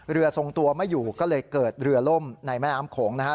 เรือทรงตัวไม่อยู่ก็เลยเกิดเรือล่มในแม่น้ำโขงนะฮะ